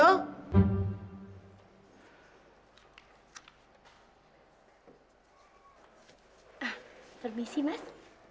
ah permisi mas